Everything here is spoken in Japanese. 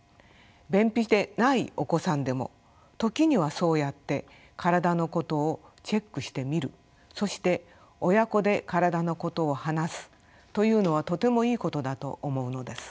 便秘でないお子さんでも時にはそうやって体のことをチェックしてみるそして親子で体のことを話すというのはとてもいいことだと思うのです。